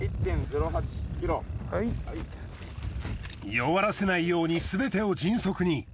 弱らせないようにすべてを迅速に。